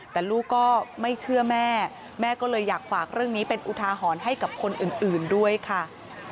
แต่ลูกก็ไม่เชื่อแม่แม่ก็เลยอยากฝากเรื่องนี้เป็นอุทาหรณ์ให้กับคนอื่นด้วยค่ะ